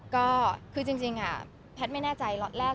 ก็คือจริงแพทย์ไม่แน่ใจล็อตแรก